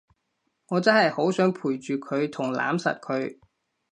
我真係好想陪住佢同攬實佢